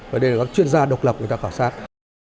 và đây là các chuyên gia độc lập người ta khảo sát